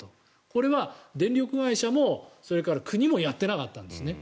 これは電力会社もそれから国もやっていなかったんですね。